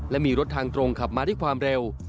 และมีรถทางตรงขับมาด้วยความเร็ว